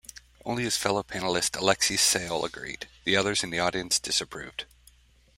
Only his fellow panellist Alexei Sayle agreed; the others and the audience disapproved.